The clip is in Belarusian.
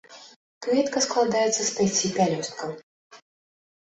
Кветка складаецца з пяці пялёсткаў.